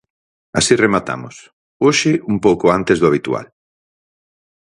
Así rematamos, hoxe un pouco antes do habitual.